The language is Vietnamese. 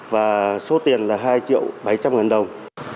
và số tiền là hai triệu bảy trăm linh ngàn đồng